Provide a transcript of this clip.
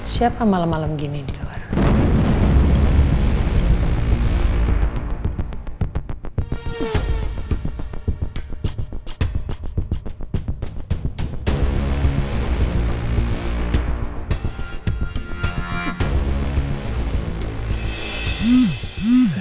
siapa malam malam gini di jakarta